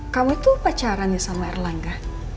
kamu tuh pacaran ya sama erlangga